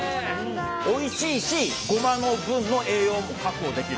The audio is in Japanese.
おいしいしゴマの分の栄養も確保できる。